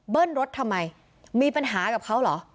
รถทำไมมีปัญหากับเขาเหรอ